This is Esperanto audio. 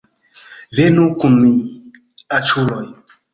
Venu kun mi, aĉuloj